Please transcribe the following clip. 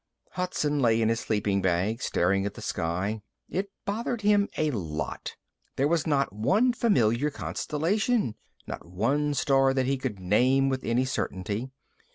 IV Hudson lay in his sleeping bag, staring at the sky. It bothered him a lot. There was not one familiar constellation, not one star that he could name with any certainty.